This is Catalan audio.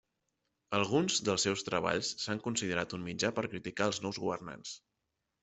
Alguns dels seus treballs s'han considerat un mitjà per criticar als nous governants.